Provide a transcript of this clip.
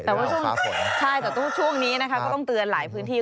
แต่ว่าช่วงนี้ก็ต้องเตือนหลายพื้นที่